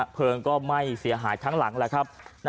เพลิงก็ไหม้เสียหายทั้งหลังแล้วครับ